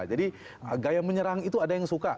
jadi gaya menyerang itu ada yang suka